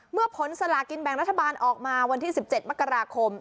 เมื่อผลสลากินแบ่งรัฐบาลออกมาวันที่๑๗มกราคม